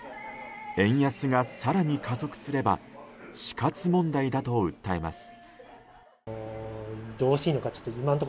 円安が更に加速すれば死活問題だと訴えます。